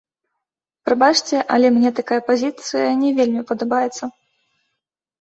Прабачце, але мне такая пазіцыя не вельмі падабаецца.